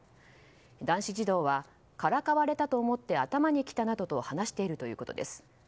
男子児童はからかわれたと思って頭にきたなどと話しているということです。